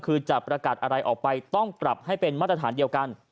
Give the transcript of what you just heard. คือจะประกาศอะไรออกไปต้องปรับให้เป็นมาตรฐานเดียวกัน